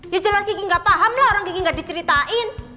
ya jelas gigi gak paham lah orang gigi gak diceritain